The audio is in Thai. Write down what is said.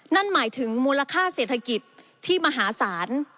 นั่นหมายถึงมูลค่าเศรษฐกิจที่มหาศาล